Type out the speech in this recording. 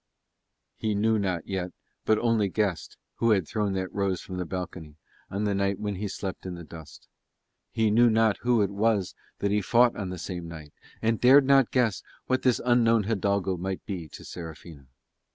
He knew not yet, but only guessed, who had thrown that rose from the balcony on the night when he slept on the dust: he knew not who it was that he fought on the same night, and dared not guess what that unknown hidalgo might be to Serafina.